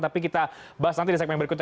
tapi kita bahas nanti di segmen berikutnya